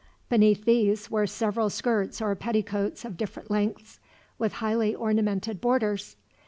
Beneath these were several skirts or petticoats of different lengths, with highly ornamented borders.